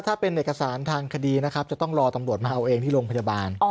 ถ้าเป็นเอกสารทางคดีนะครับจะต้องรอตำรวจมาเอาเองที่โรงพยาบาล